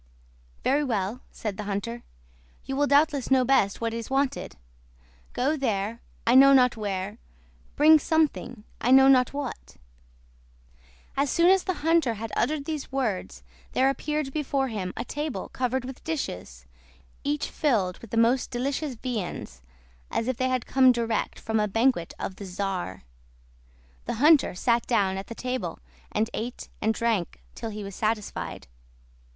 '" "Very well," said the hunter. "You will doubtless know best what is wanted: Go there, I know not where; bring something, I know not what." As soon as the hunter had uttered these words there appeared before him a table covered with dishes, each filled with the most delicious viands, as if they had come direct from a banquet of the czar. The hunter sat down at the table, and ate and drank till he was satisfied.